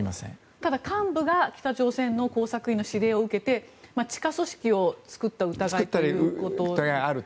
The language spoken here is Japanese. ただ幹部が北朝鮮の工作員の指令を受けて地下組織を作った疑いがあると。